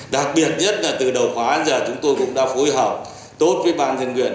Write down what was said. đặc biệt nhất là từ đầu khóa đến giờ chúng tôi cũng đã phối hợp tốt với ban thanh nguyện